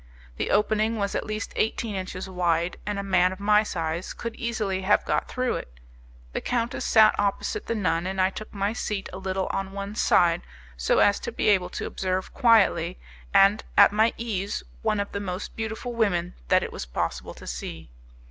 The opening was at least eighteen inches wide, and a man of my size could easily have got through it. The countess sat opposite the nun, and I took my seat a little on one side so as to be able to observe quietly and at my ease one of the most beautiful women that it was possible to see.